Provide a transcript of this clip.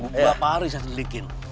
beberapa hari saya selidikin